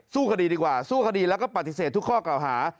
คดีดีกว่าสู้คดีแล้วก็ปฏิเสธทุกข้อเก่าหา